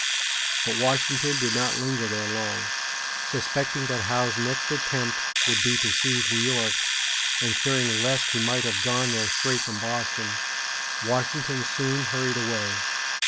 But Washington did not linger there long. Suspecting that Howe's next attempt would be to seize New York, and fearing lest he might have gone there straight from Boston, Washington soon hurried away.